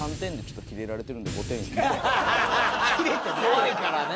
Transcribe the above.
怖いからね。